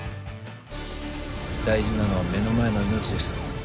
大事なのは目の前の命です